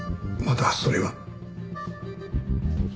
まだそれは。